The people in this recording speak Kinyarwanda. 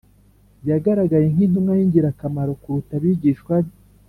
Yagaragaye nk’intumwa y’ingirakamaro kuruta abigishwa be